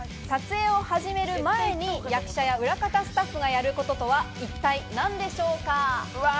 撮影を始める前に、役者や裏方スタッフがやることとは一体何でしょうか？